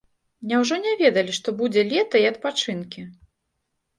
Няўжо не ведалі, што будзе лета і адпачынкі?